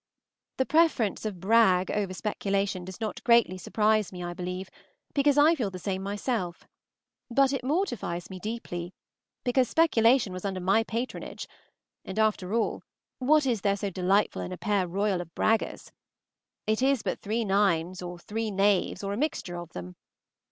The preference of Brag over Speculation does not greatly surprise me, I believe, because I feel the same myself; but it mortifies me deeply, because Speculation was under my patronage; and, after all, what is there so delightful in a pair royal of Braggers? It is but three nines or three knaves, or a mixture of them.